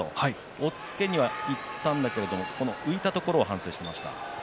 押っつけにはいったんだけれども浮いたところを反省しました。